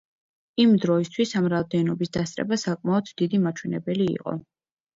იმ დროისთვის ამ რაოდენობის დასწრება საკმაოდ დიდი მაჩვენებელი იყო.